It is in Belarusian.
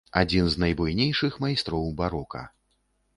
Адзін з найбуйнейшых майстроў барока.